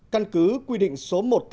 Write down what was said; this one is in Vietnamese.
căn cứ quy định số một trăm tám mươi